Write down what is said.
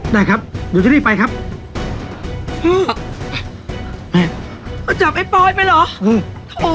ได้ครับเดี๋ยวจะรีบไปครับครับจับไอ้ปลอยไปเหรอเออโถ